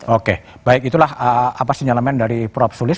oke baik itulah apa sinyalemen dari prof sulis